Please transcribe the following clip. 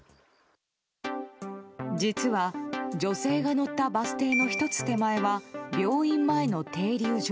実は、女性が乗ったバス停の１つ手前は病院前の停留所。